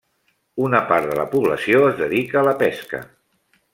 Una part de la població es dedica a la pesca.